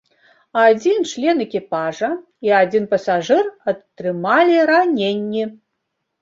Адзін член экіпажа і адзін пасажыр атрымалі раненні.